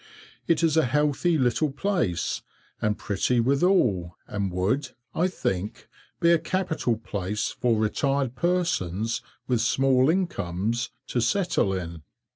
It is a healthy little place, and pretty withal, and would, I think, be a capital place for retired persons with small incomes to settle in.